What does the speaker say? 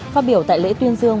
phát biểu tại lễ tuyên dương